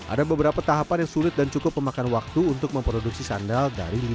ada beberapa tahapan yang sulit dan cukup memakan waktu untuk memproduksi sandal